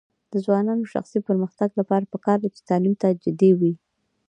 د ځوانانو د شخصي پرمختګ لپاره پکار ده چې تعلیم ته جدي وي.